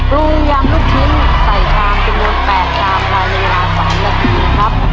ลูกยำลูกชิ้นใส่ชามประมูล๘ชามรายละ๓นาทีครับ